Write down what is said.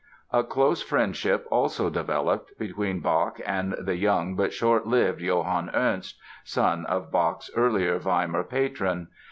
A close friendship also developed between Bach and the young but shortlived Johann Ernst, son of Bach's earlier Weimar patron.